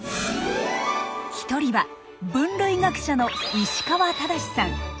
一人は分類学者の石川忠さん。